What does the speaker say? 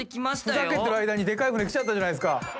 ふざけてる間にでかい船来ちゃったじゃないですか。